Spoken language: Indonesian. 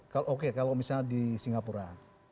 kalau misalnya di singapura